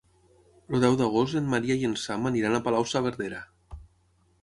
El deu d'agost en Maria i en Sam aniran a Palau-saverdera.